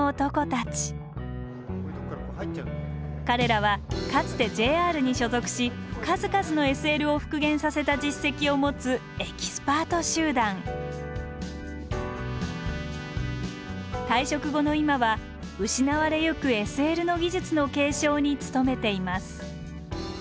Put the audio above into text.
彼らはかつてＪＲに所属し数々のＳＬを復元させた実績を持つエキスパート集団退職後の今は失われゆくＳＬの技術の継承に努めています